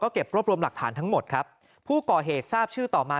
เก็บรวบรวมหลักฐานทั้งหมดครับผู้ก่อเหตุทราบชื่อต่อมา